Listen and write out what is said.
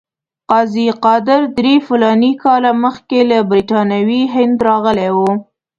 قاضي قادر درې فلاني کاله مخکې له برټانوي هند راغلی وو.